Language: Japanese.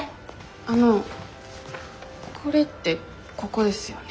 あのこれってここですよね？